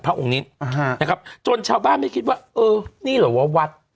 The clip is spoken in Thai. องค์นี้นะครับจนชาวบ้านไม่คิดว่าเออนี่เหรอวะวัด